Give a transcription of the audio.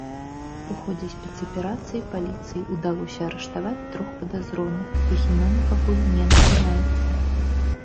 У ходзе спецаперацыі паліцыі ўдалося арыштаваць трох падазроных, іх імёны пакуль не называюцца.